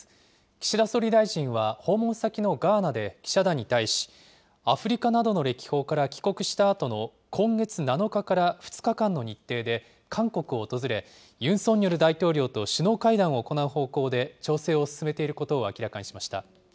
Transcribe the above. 岸田総理大臣は、訪問先のガーナで記者団に対し、アフリカなどの歴訪から帰国したあとの今月７日から２日間の日程で韓国を訪れ、ユン・ソンニョル大統領と首脳会談を行う方向で調整を進めていることを明らかにしました。